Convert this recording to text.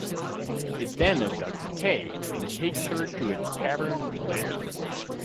It then abducts Kay and takes her to its cavern lair.